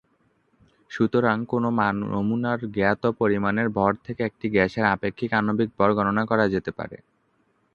সুতরাং, কোনো নমুনার জ্ঞাত পরিমাণের ভর থেকে একটি গ্যাসের আপেক্ষিক আণবিক ভর গণনা করা যেতে পারে।